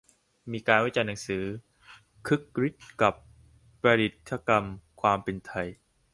มีวิจารณ์หนังสือ "คึกฤทธิ์กับประดิษฐกรรม 'ความเป็นไทย'"